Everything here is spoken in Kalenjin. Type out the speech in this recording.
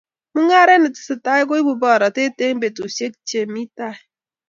Mungaret ne tesetai koibu boratet eng betusiek che mi tai